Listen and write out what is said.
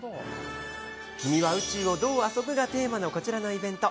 君は宇宙をどう遊ぶがテーマのこちらのイベント。